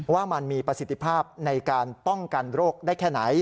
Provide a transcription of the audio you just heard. ว่ามันมีประสิทธิภาพในการป้องกันโรคได้แค่ไหน